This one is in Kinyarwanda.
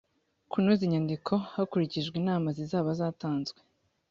kunoza inyandiko hakurikijwe inama zizaba zatanzwe